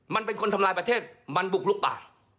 มันเป็นคนทำลายประเทศมันบุกลุกป่า